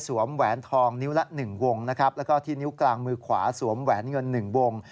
แหวนทองนิ้วละ๑วงนะครับแล้วก็ที่นิ้วกลางมือขวาสวมแหวนเงิน๑วง